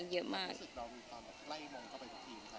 มันมีความมากเลยหรือเปล่า